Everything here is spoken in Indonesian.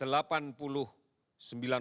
sehingga total keseluruhannya adalah